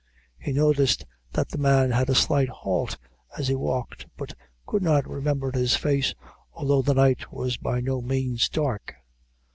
He noticed that the man had a slight halt as he walked, but could not remember his face, although the night was by no means dark.